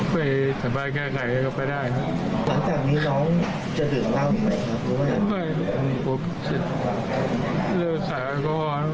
ผิดภาคไปแล้ว